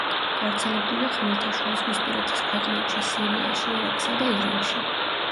გავრცელებულია ხმელთაშუაზღვისპირეთის ქვეყნებში, სირიაში, ერაყსა და ირანში.